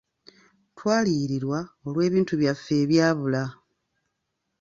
Twaliyirirwa olw'ebintu byaffe ebyabula.